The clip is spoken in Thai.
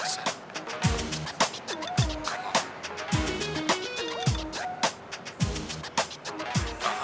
ชื่อแม่ค่ะ